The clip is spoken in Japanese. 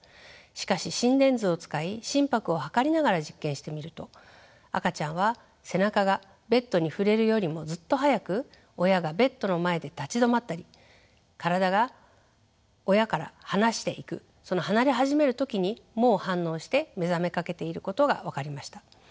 しかし心電図を使い心拍を測りながら実験してみると赤ちゃんは背中がベッドに触れるよりもずっと早く親がベッドの前で立ち止まったり体が親から離していくその離れ始める時にもう反応して目覚めかけていることが分かりました。